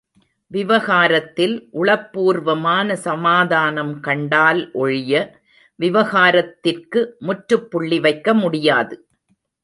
விவகாரத்தில் உளப்பூர்வமான சமாதானம் கண்டால் ஒழிய விவகாரத்திற்கு முற்றுப் புள்ளி வைக்க முடியாது.